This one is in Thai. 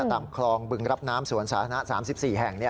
ตามคลองบึงรับน้ำสวนสาธารณะ๓๔แห่ง